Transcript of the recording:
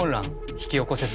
引き起こせそう？